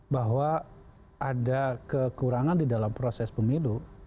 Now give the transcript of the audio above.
bahwa ada kekurangan di dalam proses pemilu